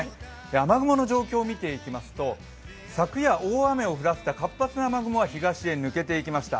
雨雲の状況を見ていきますと、昨夜大雨を降らせた活発な雨雲は東へ抜けていきました。